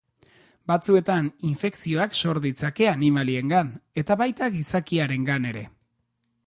Batzuetan infekzioak sor ditzake animaliengan, eta baita gizakiarengan ere.